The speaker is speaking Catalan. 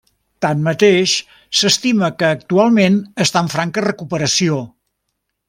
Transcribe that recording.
Tanmateix, s'estima que actualment està en franca recuperació.